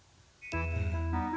うん。